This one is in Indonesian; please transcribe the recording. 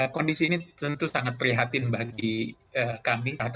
kondisi ini tentu sangat prihatin bagi kami